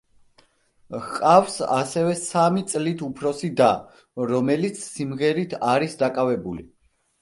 ჰყავს ასევე სამი წლით უფროსი და, რომელიც სიმღერით არის დაკავებული.